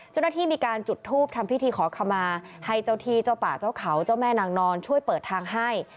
เจ้าหน้าที่มีการจุดทูปทำพิธีขอขมาให้เจ้าที่เจ้าป่าเจ้าเขาเจ้าแม่นางนอนช่วยเปิดทางให้